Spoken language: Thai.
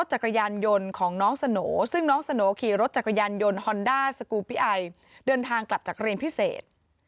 หรือรถจักรยานยนต์ฮอนดาสกูลพิไอเดินทางกลับจากกระเรนพิเศษ